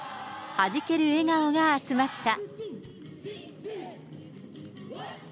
はじける笑顔が集まった。